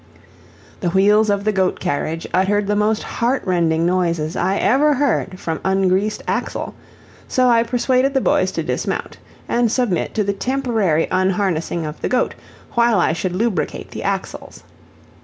The wheels of the goat carriage uttered the most heartrending noises I had ever heard from ungreased axle; so I persuaded the boys to dismount, and submit to the temporary unharnessing of the goat, while I should lubricate the axles.